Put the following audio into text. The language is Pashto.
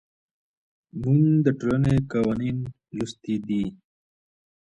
موږ د ټولني قوانين لوستي دي.